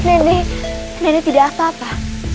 nenek nenek tidak apa apa